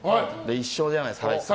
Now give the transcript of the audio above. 一緒じゃないですか。